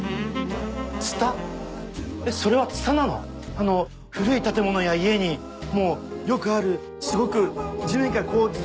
「あの、古い建物や家に、もう、よくある、すごく地面からこう、つづく」